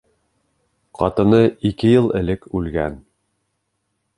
Ҡатыны ике йыл элек үлгән.